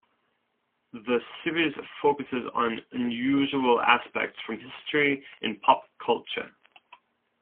The series focuses on unusual aspects from history and pop culture.